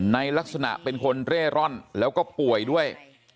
ในลักษณะเป็นคนเร่ร่อนแล้วก็ป่วยด้วย